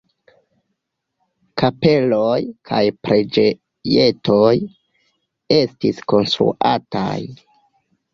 Kapeloj kaj preĝejetoj estis konstruataj.